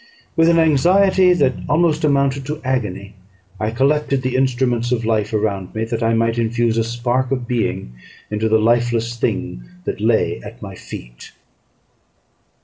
With an anxiety that almost amounted to agony, I collected the instruments of life around me, that I might infuse a spark of being into the lifeless thing that lay at my feet.